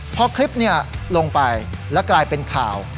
พอคลิปนี้ลงไปแล้วกลายเป็นข่าว